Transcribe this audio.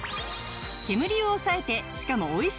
煙を抑えてしかもおいしい！